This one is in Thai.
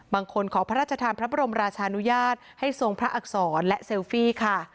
ขอพระราชทานพระบรมราชานุญาตให้ทรงพระอักษรและเซลฟี่ค่ะ